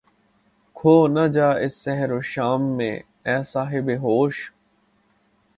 کھو نہ جا اس سحر و شام میں اے صاحب ہوش